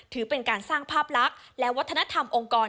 ถือเป็นการสร้างภาพลักษณ์และวัฒนธรรมองค์กร